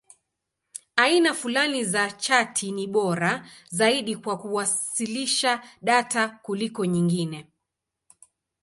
Aina fulani za chati ni bora zaidi kwa kuwasilisha data kuliko nyingine.